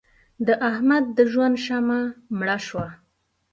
د احمد د ژوند شمع مړه شوه.